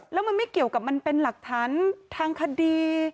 แล้วมันไม่เกี่ยวกับมันเป็นหลักฐานทางคดี